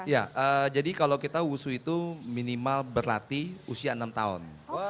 ya jadi kalau kita wushu itu minimal berlatih usia enam tahun